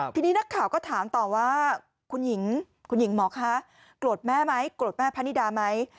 ทีนี้นักข่าวก็ถามต่อว่าคุณหญิงคุณหญิงหมอคะโกรธแม่ไหมโกรธแม่พะนิดาไหม